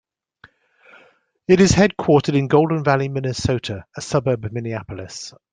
It is headquartered in Golden Valley, Minnesota, a suburb of Minneapolis.